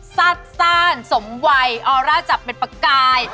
ซ่าซ่านสมไวออร่าจับเป็นปลากาย